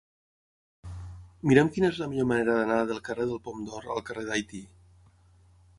Mira'm quina és la millor manera d'anar del carrer del Pom d'Or al carrer d'Haití.